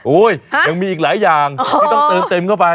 ยังมีอีกหลายอย่างไม่ต้องเติมเต็มเข้าไป